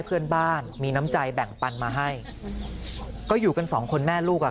เพื่อนบ้านมีน้ำใจแบ่งปันมาให้ก็อยู่กันสองคนแม่ลูกอ่ะ